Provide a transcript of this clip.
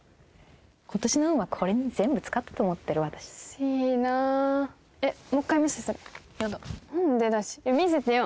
今年の運はこれに全部使ったと思ってる私いいなえっもう一回見せてそれやだ何でだし見せてよ